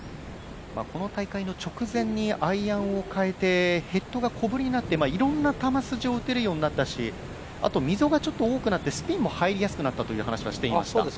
この大会の直前にアイアンを替えてヘッドが小ぶりになっていろんな球筋を打てるようになったしあとは溝がちょっと大きくなってスピンも入りやすくなったという話をしています。